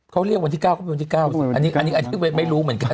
เขาเรียกวันที่๙เขาเป็นวันที่๙อันนี้ไม่รู้เหมือนกัน